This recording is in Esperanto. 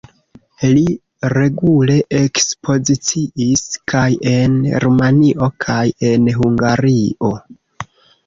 Li regule ekspoziciis kaj en Rumanio kaj en Hungario.